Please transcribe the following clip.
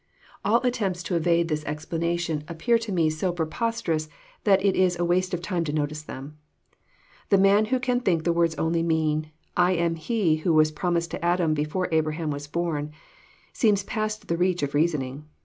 All attempts to evade this explanation appear to me so preposterous that it is waste of time to notice them. The man who can think the words only mean, << I am He who was promised to Adam before Abraham was born, seems past the reach of reasoning.